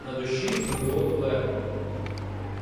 На душі було легко.